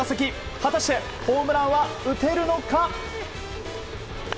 果たしてホームランは打てるのか。